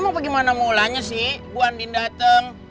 emang bagaimana mulanya sih bu andien dateng